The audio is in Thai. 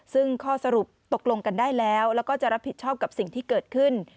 ซึ่งข้อสรุปตกลงกันได้แล้วแล้วก็จะรับผิดชอบกับสิ่งที่เกิดขึ้น